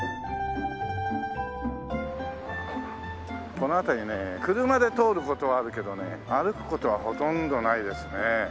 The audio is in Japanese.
この辺りね車で通る事はあるけどね歩く事はほとんどないですね。